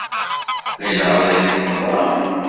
Ɣileɣ dakken teẓramt.